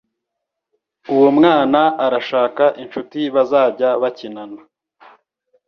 Uwo mwana arashaka inshuti bazajya bakinana.